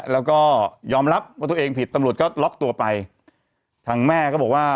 แล้วก็ยอมรับว่าตัวเองผิดตำรวจก็ล็อกตัวไปทางแม่ก็บอกว่า